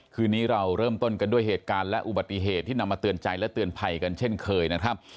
คืนนี้เราเริ่มต้นกันด้วยเหตุการณ์และอุบัติเหตุที่นำมาเตือนใจและเตือนภัยกันเช่นเคยนะครับ